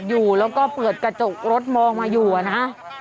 อยู่แล้วก็เปิดกระจกรถมองมาอยู่อะนะ